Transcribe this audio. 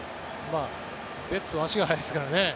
ベッツは足が速いですからね。